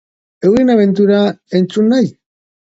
Euren abentura entzun nahi?